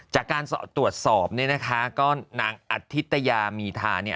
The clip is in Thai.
จากการตรวจสอบเนี่ยนะคะก็นางอธิตยามีทาเนี่ย